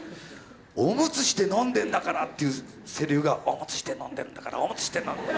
「おむつして飲んでんだから」っていうせりふが「おむつして飲んでんだからおむつして飲んでる」